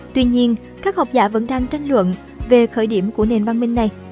tuy nhiên các học giả vẫn đang tranh luận về khởi điểm của nền văn minh này